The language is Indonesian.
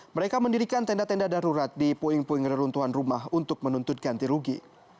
mereka mendirikan tenda tenda darurat di puing puing reruntuhan rumah untuk menuntut ganti rugi